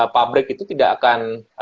pabrik itu tidak akan